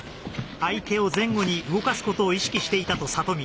相手を前後に動かすことを意識していたと里見。